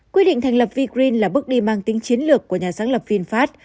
quy định thành lập vgreen là bước đi mang tính chiến lược của nhà sáng lập vinfast